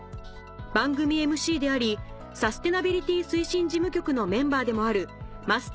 番組ＭＣでありサステナビリティ推進事務局のメンバーでもある桝